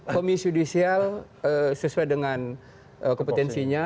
komisi judisial sesuai dengan kompetensinya